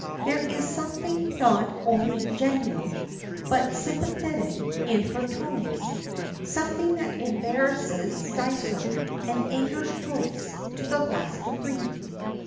There is something not only genial, but sympathetic in her tones, something that embarrasses Dysart, and angers Joyce to the last degree.